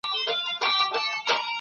د لګښت کمول تر پانګونې کمه ګټه لري.